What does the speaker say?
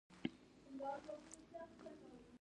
ایا ماهي خورئ؟